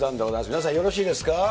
皆さん、よろしいですか。